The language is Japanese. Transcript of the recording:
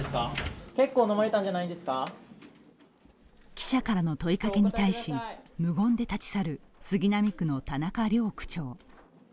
記者からの問いかけに対し無言で立ち去る杉並区の田中良区長。